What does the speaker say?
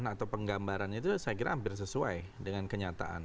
atau penggambaran itu saya kira hampir sesuai dengan kenyataan